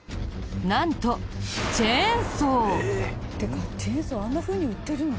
なんとチェーンソー！っていうかチェーンソーあんなふうに売ってるの？